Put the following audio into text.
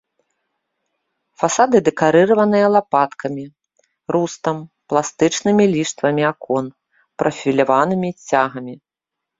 Фасады дэкарыраваныя лапаткамі, рустам, пластычнымі ліштвамі акон, прафіляванымі цягамі.